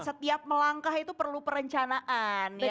setiap melangkah itu perlu perencanaan